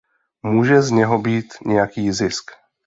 Může z něho být nějaký zisk.